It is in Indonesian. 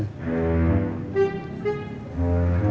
kalau aku jadi kamu